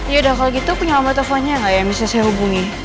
yaudah kalau gitu punya mbak teleponnya gak ya yang bisa saya hubungi